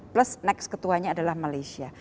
plus next ketuanya adalah malaysia